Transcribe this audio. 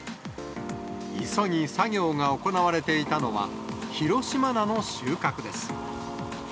急ぎ作業が行われていたのは、広島菜の収穫です。